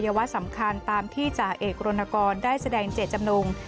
วะสำคัญตามที่จ่าเอกรณกรได้แสดงเจตจำนง